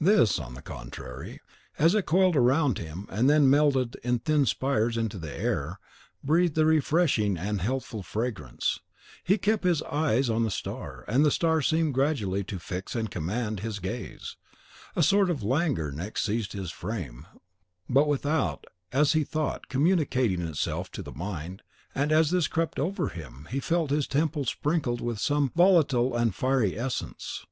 This, on the contrary, as it coiled around him, and then melted in thin spires into the air, breathed a refreshing and healthful fragrance. He still kept his eyes on the star, and the star seemed gradually to fix and command his gaze. A sort of languor next seized his frame, but without, as he thought, communicating itself to the mind; and as this crept over him, he felt his temples sprinkled with some volatile and fiery essence.